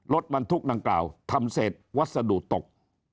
รถบรรทุกดังกล่าวทำเศษวัสดุตก